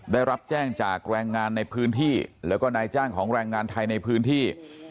ได้รับแจ้งจากแรงงานในพื้นที่แล้วก็นายจ้างของแรงงานไทยในพื้นที่